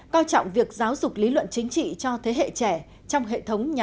co trọng việc giáo dục lý luận chính trị cho thế hệ trẻ